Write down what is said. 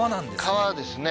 川ですね